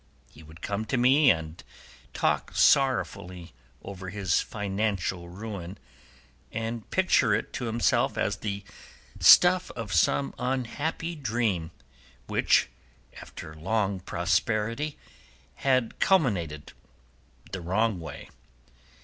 He would come to me, and talk sorrowfully over his financial ruin, and picture it to himself as the stuff of some unhappy dream, which, after long prosperity, had culminated the wrong way.